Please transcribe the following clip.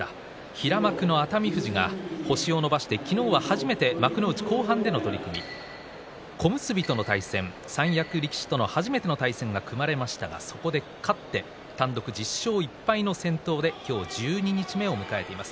平幕の熱海富士が星を伸ばして昨日は初めて幕内後半での取組小結との対戦三役力士との初めての対戦が組まれましたが、そこで勝って単独１０勝１敗で今日十二日目を迎えています。